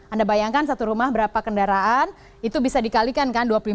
anda bayangkan satu rumah berapa kendaraan itu bisa dikalikan kan rp dua puluh lima